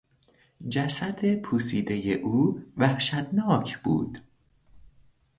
جسد پوسیدهی او وحشتناک بود.